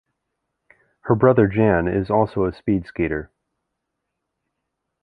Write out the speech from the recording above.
Her brother Jan is also a speed skater.